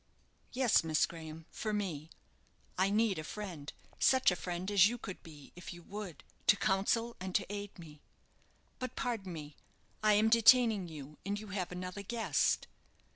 "Yes, Miss Graham, for me. I need a friend, such a friend as you could be, if you would, to counsel and to aid me. But, pardon me, I am detaining you, and you have another guest."